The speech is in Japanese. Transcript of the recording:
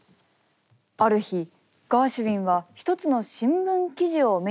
ある日ガーシュウィンは一つの新聞記事を目にします。